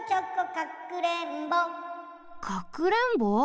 かくれんぼ？